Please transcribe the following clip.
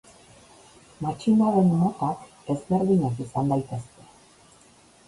Matxinaden motak ezberdinak izan daitezke.